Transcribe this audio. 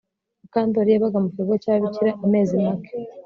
Mukandoli yabaga mu kigo cyababikira amezi make